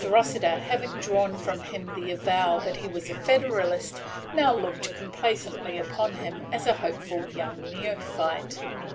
Rossiter, having drawn from him the avowal that he was a Federalist, now looked complacently upon him as a hopeful young neophyte.